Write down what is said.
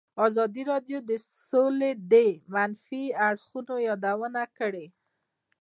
ازادي راډیو د سوله د منفي اړخونو یادونه کړې.